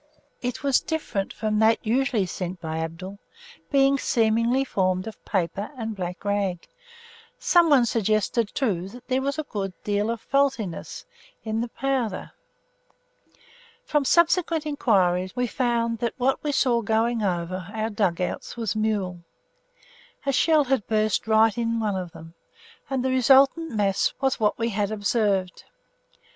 It was different from that usually sent by Abdul, being seemingly formed of paper and black rag; someone suggested, too, that there was a good deal of faultiness in the powder. From subsequent inquiries we found that what we saw going over our dug outs was Mule! A shell had burst right in one of them, and the resultant mass was what we had observed.